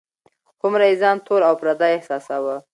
هومره یې ځان تور او پردی احساساوه.